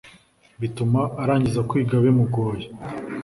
bituma arangiza kwiga bimugoye